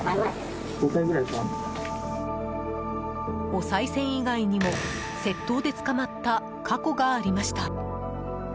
おさい銭以外にも窃盗で捕まった過去がありました。